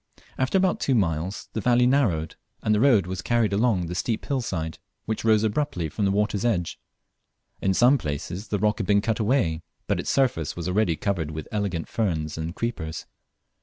After about two miles, the valley narrowed, and the road was carried along the steep hill side which rose abruptly from the water's edge. In some places the rock had been cut away, but its surface was already covered with elegant ferns and creepers.